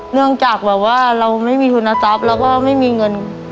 เนื่องจากแบบว่าเราไม่มีทุนทรัพย์แล้วก็ไม่มีเงิน